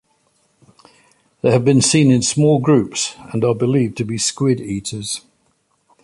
They have been seen in small groups, and are believed to be squid eaters.